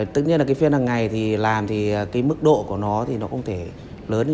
tất nhiên là cái phiên hàng ngày thì làm thì cái mức độ của nó thì nó không thể lớn